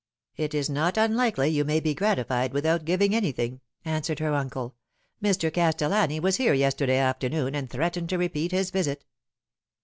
" It is not unlikely you may be gratified without giving any thing," answered her uncle. " Mr. Castellani was here yesterday afternoon, and threatened to repeat his visit."